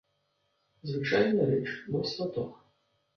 Звычайная рэч, мой сваток.